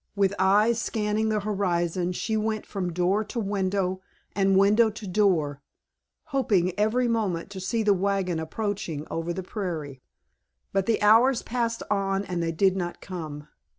With eyes scanning the horizon she went from door to window and window to door, hoping every moment to see the wagon approaching over the prairie. But the hours passed on and they did not come.